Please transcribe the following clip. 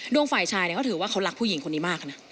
ดวงฝ่ายชายเขาถือว่าเขารักผู้หญิงคนนี้มากนะ